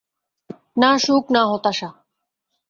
না সুখ না হতাশা।